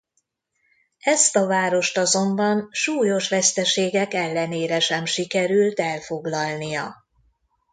Ezt a várost azonban súlyos veszteségek ellenére sem sikerült elfoglalnia.